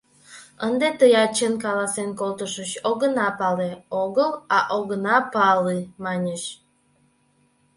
— Ынде тыят чын каласен колтышыч: “огына палЕ” огыл, а “огына палЫ” маньыч.